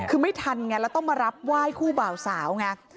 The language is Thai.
คือไม่ทันไงแล้วต้องมารับไหว้คู่บ่าวสาวไง